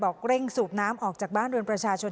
เร่งสูบน้ำออกจากบ้านเรือนประชาชน